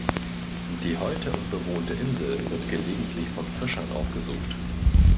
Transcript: Die heute unbewohnte Insel wird gelegentlich von Fischern aufgesucht.